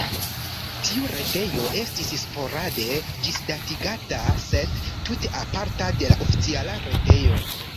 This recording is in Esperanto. Tiu retejo estis sporade ĝisdatigata, sed tute aparta de la oficiala retejo.